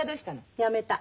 やめた。